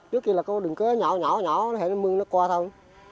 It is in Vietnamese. trước kia là đừng cứ nhỏ nhỏ nhỏ hay mưa nó qua thôi